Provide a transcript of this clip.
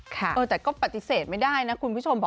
แต่ก็ปฏิเสธไม่ได้นะคุณผู้ชม